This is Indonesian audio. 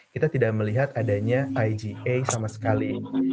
kita tidak melihat adanya iga sama sekali